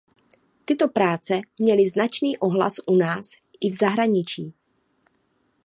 Tyto práce měly značný ohlas u nás i v zahraničí.